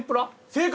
正解！